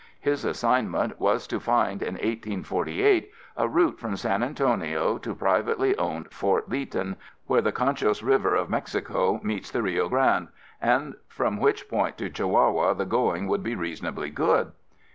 His assignment was to find in 1848, a route from San Antonio to privately owned Fort Leaton where the Conchos River of Mexico meets the Rio Grande, and from which point to Chihuahua the going would be reasonably good.